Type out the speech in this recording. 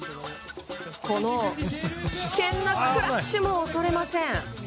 危険なクラッシュも恐れません。